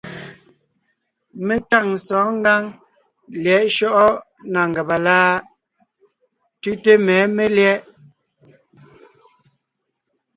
Mé tâŋ sɔ̌ɔn ngǎŋ lyɛ̌ʼ shyɔ́ʼɔ na ngàba láʼ? Tʉ́te mɛ̌ melyɛ̌ʼ.